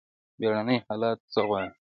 بیړني حالات څه غواړي؟